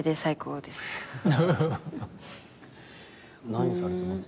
何されてます？